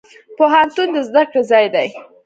پوهنتون د زده کړي ځای دی.